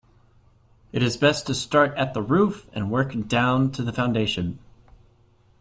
It is best to start at the roof and work down to the foundation.